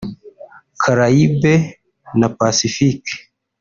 Caraïbes na Pacifique